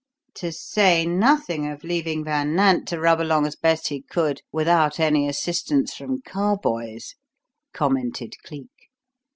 "To say nothing of leaving Van Nant to rub along as best he could without any assistance from Carboys," commented Cleek.